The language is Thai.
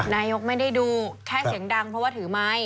นายกไม่ได้ดูแค่เสียงดังเพราะว่าถือไม้